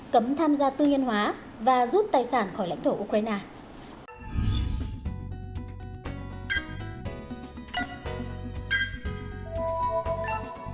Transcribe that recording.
cấm tham gia tư nhân hóa và rút tài sản khỏi lãnh thổ ukraine